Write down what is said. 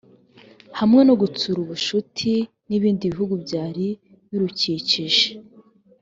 hamwe no gutsura ubucuti n ibindi bihugu byari birukikije